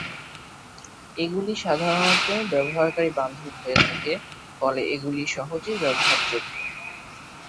এগুলি সাধারণত ব্যবহারকারী-বান্ধব হয়ে থাকে, ফলে এগুলি সহজেই ব্যবহারযোগ্য।